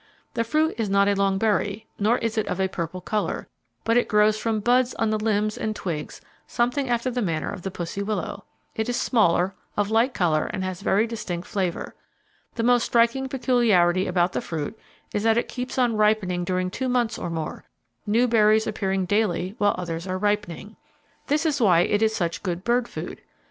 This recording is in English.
"The fruit is not a long berry, nor is it of a purple color, but it grows from buds on the limbs and twigs something after the manner of the pussy willow. It is smaller, of light color and has a very distinct flavor. The most striking peculiarity about the fruit is that it keeps on ripening during two months or more, new berries appearing daily while others are ripening. This is why it is such good bird food.